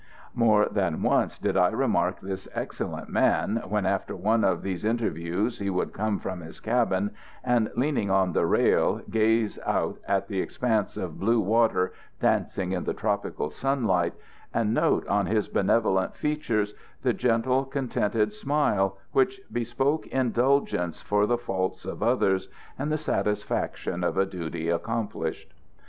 More than once did I remark this excellent man, when, after one of these interviews he would come from his cabin, and, leaning on the rail, gaze out at the expanse of blue water dancing in the tropical sunlight, and note on his benevolent features the gentle, contented smile which bespoke indulgence for the faults of others, and the satisfaction of a duty accomplished.